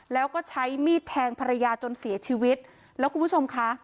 แล้วก็ใช้มีดแทงภรรยาจนเสียชีวิตแล้วคุณผู้ชมค่ะ